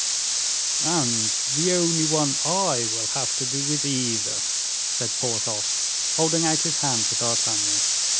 "And the only one I will have to do with either," said Porthos, holding out his hand to D'Artagnan.